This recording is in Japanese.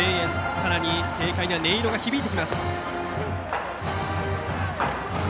さらに軽快な音色が響いてきます。